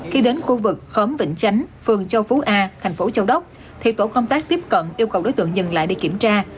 khi đến khu vực khóm vĩnh chánh phường châu phú a thành phố châu đốc thì tổ công tác tiếp cận yêu cầu đối tượng dừng lại để kiểm tra